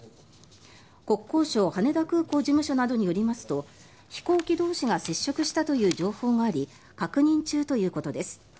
国交省羽田空港事務所などによりますと飛行機同士が接触したという情報があり確認中ということです。